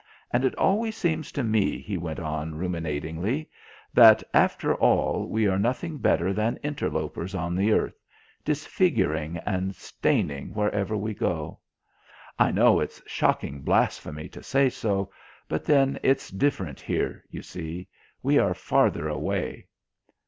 "And it always seems to me," he went on ruminatingly, "that, after all, we are nothing better than interlopers on the earth, disfiguring and staining wherever we go. I know it's shocking blasphemy to say so, but then it's different here, you see. We are farther away."